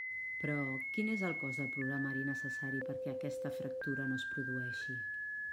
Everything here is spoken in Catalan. Però, quin és el cost del programari necessari perquè aquesta fractura no es produeixi?